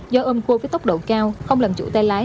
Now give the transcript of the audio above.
do ôm cô với tốc độ cao không làm chủ tay lái